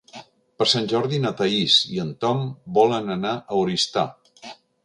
Per Sant Jordi na Thaís i en Tom volen anar a Oristà.